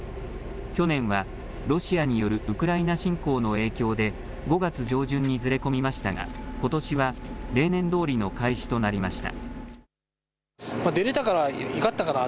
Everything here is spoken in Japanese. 去年はロシアによるウクライナ侵攻の影響で５月上旬にずれ込みましたがことしは例年どおりの開始となりました。